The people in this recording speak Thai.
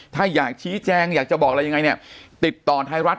ถ้าอยากชี้แจงอยากจะบอกอะไรยังไงเนี่ยติดต่อไทยรัฐ